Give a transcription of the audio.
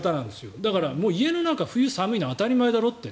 だから家の中、冬、寒いのは当たり前だろって。